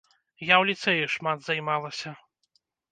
Я ў ліцэі шмат займалася.